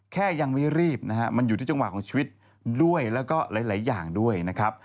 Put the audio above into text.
แค่ยังไม่รีบนะฮะมันอยู่ที่จังหวะของชีวิตด้วยแล้วก็หลายอย่างด้วยนะครับ